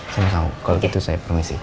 sama sama kalau gitu saya permisi